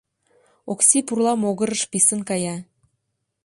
Окси пурла могырыш писын кая.